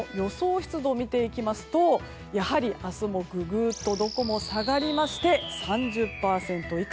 湿度を見ていきますとやはり、明日もググッと、どこも下がりまして３０％以下。